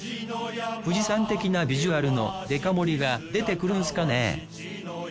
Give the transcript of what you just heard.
富士山的なビジュアルのデカ盛りが出てくるんすかね？